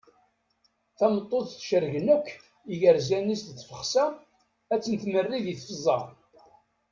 Tameṭṭut cergen akk igerzan-is d tifexsa ad ten-tmerri di tfezza.